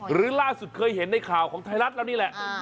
หรือล่าสุดเคยเห็นในข่าวของไทยรัฐแล้วนี่แหละ